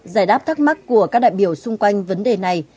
giải đáp thắc mắc của các đại biểu xung quanh vấn đề này